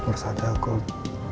pt persada gold